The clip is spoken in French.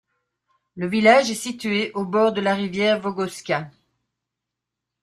Le village est situé au bord de la rivière Vogošća.